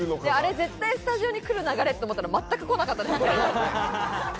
絶対スタジオにくる流れと思ったら、全く来なかったですね。